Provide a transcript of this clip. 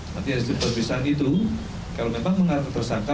maksudnya perpisahan itu kalau memang mengatur tersangka